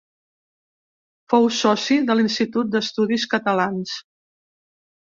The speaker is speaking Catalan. Fou soci de l'Institut d'Estudis Catalans.